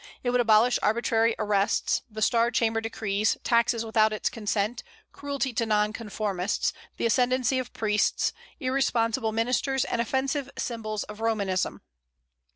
It would abolish arbitrary arrests, the Star Chamber decrees, taxes without its consent, cruelty to Non conformists, the ascendency of priests, irresponsible ministers, and offensive symbols of Romanism.